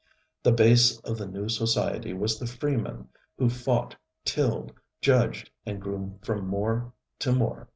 ŌĆØ The base of the new society was the freeman who fought, tilled, judged and grew from more to more.